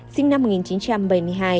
sinh năm một nghìn chín trăm bảy mươi hai